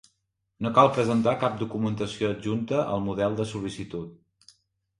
No cal presentar cap documentació adjunta al model de sol·licitud.